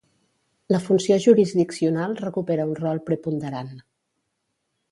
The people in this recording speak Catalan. La funció jurisdiccional recupera un rol preponderant.